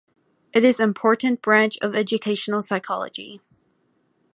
It is important branch of educational psychology.